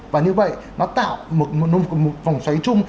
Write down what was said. và như vậy nó tạo một vòng xoáy chung